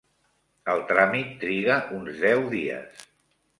El tràmit triga uns deu dies.